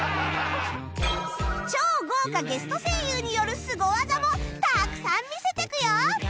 超豪華ゲスト声優によるすご技もたくさん見せていくよ